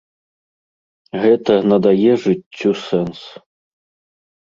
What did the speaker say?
Гэта надае жыццю сэнс.